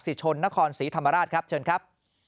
ชนนครศรีธรรมราชครับเชิญครับ